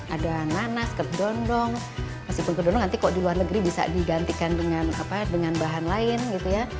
ada nanas kedondong masih ke gendong nanti kok di luar negeri bisa digantikan dengan bahan lain gitu ya